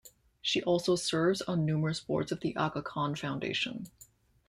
She also serves on numerous boards of the Aga Khan Foundation.